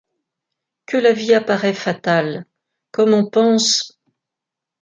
Que la vie apparaît fatale ! Comme on pense